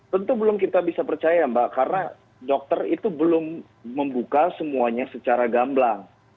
tentu belum kita bisa percaya mbak karena dokter itu belum membuka semuanya secara gamblang